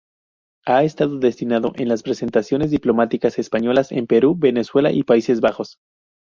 Ha estado destinado en las representaciones diplomáticas españolas en Perú, Venezuela y Países Bajos.